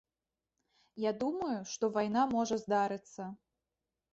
Я думаю, што вайна можа здарыцца.